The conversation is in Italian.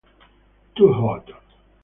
Too Hot